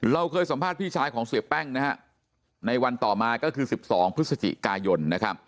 เราเคยสัมภาษณ์พี่ชายของเสียแป้งในวันต่อมาก็คือ๑๒พฤศจิกายน